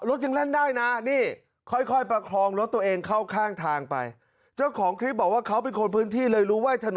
รถยังแล่นได้นะนี่ค่อยค่อยประคองรถตัวเองเข้าข้างทางไปเจ้าของคลิปบอกว่าเขาเป็นคนพื้นที่เลยรู้ว่าถนน